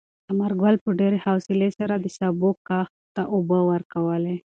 ثمر ګل په ډېرې حوصلې سره د سابو کښت ته اوبه ورکولې.